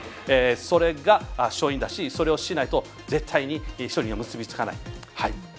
それが勝因だし、それをしないと絶対に勝利には結びつかない。